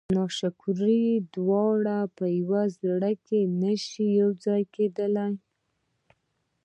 ناشکري دواړه په یوه زړه کې نه شي یو ځای کېدلی.